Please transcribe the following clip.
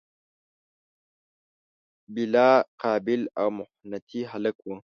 بلا قابل او محنتي هلک و.